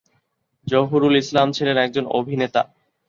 জহুরুল ইসলাম ছিলেন একজন অভিনেতা।